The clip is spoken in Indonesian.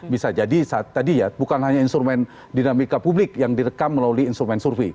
bisa jadi tadi ya bukan hanya instrumen dinamika publik yang direkam melalui instrumen survei